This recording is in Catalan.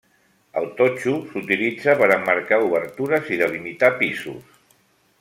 El totxo s'utilitza per emmarcar obertures i delimitar pisos.